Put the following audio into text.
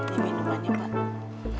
ini minumannya pak